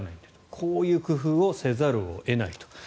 こういう工夫をせざるを得ないと。